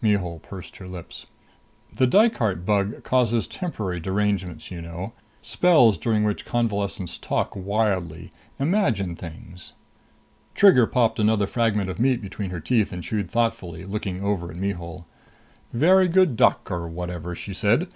Mihul pursed her lips. "The Dykart bug causes temporary derangements, you know spells during which convalescents talk wildly, imagine things." Trigger popped another fragment of meat between her teeth and chewed thoughtfully, looking over at Mihul. "Very good duck or whatever!" she said.